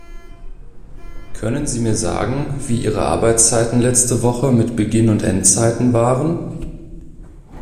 Können sie mir sagen, wir ihre Arbeitszeiten letzte Woche mit Beginn und Endzeiten waren?